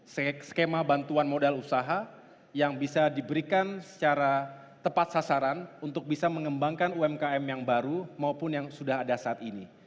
skema bantuan modal usaha yang bisa diberikan secara tepat sasaran untuk bisa mengembangkan umkm yang baru maupun yang sudah ada saat ini